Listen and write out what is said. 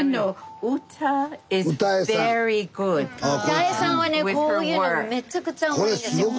ウタエさんはねこういうのめちゃくちゃうまいんですよ。